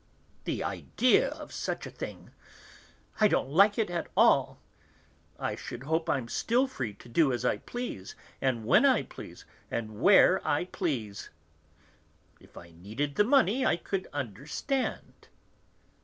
The idea of such a thing, I don't like it at all! I should hope I'm still free to do as I please and when I please and where I please! If I needed the money, I could understand...'